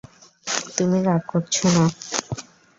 তুমি রাগ করছ না।